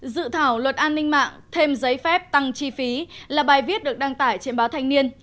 dự thảo luật an ninh mạng thêm giấy phép tăng chi phí là bài viết được đăng tải trên báo thanh niên